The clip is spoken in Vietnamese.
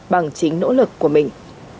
bằng chính nỗ lực của mình